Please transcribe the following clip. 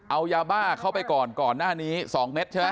เอายาบ้าเข้าไปก่อนก่อนหน้านี้๒เม็ดใช่ไหม